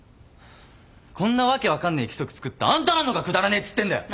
こんな訳分かんねえ規則作ったあんたらの方がくだらねえっつってんだよ。